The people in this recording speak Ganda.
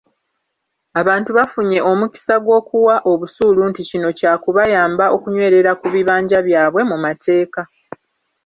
Abantu bafunye omukisa gw’okuwa obusuulu nti kino kyakubayamba okunywerera ku bibanja byabwe mu mateeka.